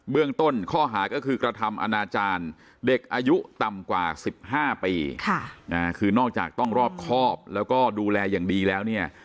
ต้นข้อหาก็คือกระทำอนาจารย์เด็กอายุต่ำกว่า๑๕ปีคือนอกจากต้องรอบครอบแล้วก็ดูแลอย่างดีแล้วเนี่ย